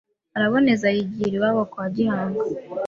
araboneza yigira iwabo kwa Gihanga.